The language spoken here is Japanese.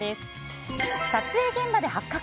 撮影現場で発覚！